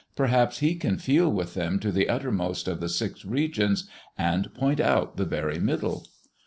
Perhaps he can feel with them to the uttermost of the six regions, and point out the very Middle."